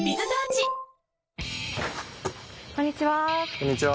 こんにちは。